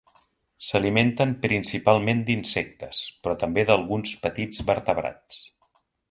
S'alimenten principalment d'insectes, però també d'alguns petits vertebrats.